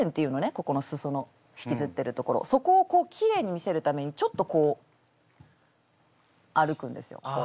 ここの裾の引きずってるところそこをこうきれいに見せるためにちょっとこう歩くんですよ。